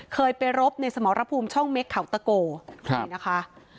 เคยไปรบในสมรภูมิช่องเม็กเขาตะโกนี่นะคะ